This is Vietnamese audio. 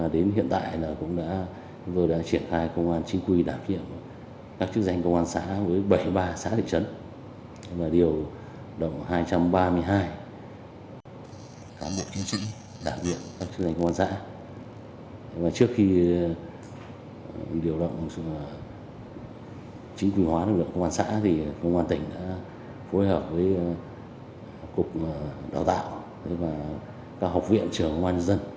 để được chính quyền hóa đồng đội công an xã thì công an tỉnh đã phối hợp với cục đào tạo và các học viện trở mình dân